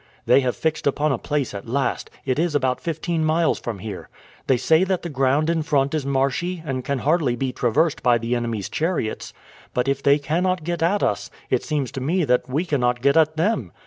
They have fixed upon a place at last it is about fifteen miles from here. They say that the ground in front is marshy and can hardly be traversed by the enemy's chariots; but if they cannot get at us, it seems to me that we cannot get at them.